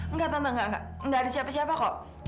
enggak tante enggak ada siapa siapa kok